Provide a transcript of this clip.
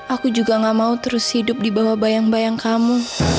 aku juga gak mau terus hidup di bawah bayang bayang kamu